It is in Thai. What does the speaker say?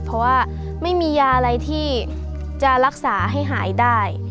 เพราะว่าไม่มียาอะไรที่จะรักษาให้หายได้